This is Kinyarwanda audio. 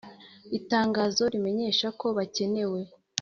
Itangazo rimenyesha ko bakenewe